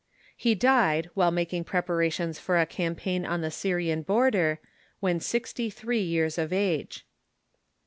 He died, while making preparations for a campaign on the Syrian border, when sixty three years of age.